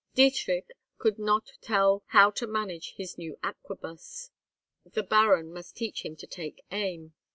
Dietrich could not tell how to manage his new arquebus: the Baron must teach him to take aim.